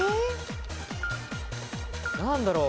何だろう？